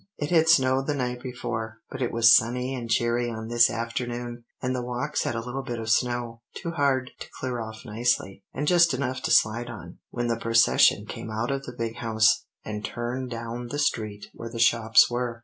It had snowed the night before; but it was sunny and cheery on this afternoon, and the walks had a little bit of snow, too hard to clear off nicely, and just enough to slide on, when the procession came out of the Big House, and turned down the street where the shops were.